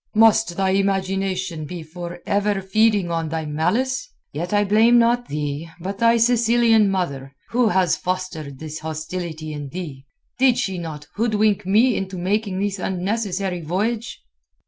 "Must thy imagination be for ever feeding on thy malice? Yet I blame not thee, but thy Sicilian mother, who has fostered this hostility in thee. Did she not hoodwink me into making this unnecessary voyage?"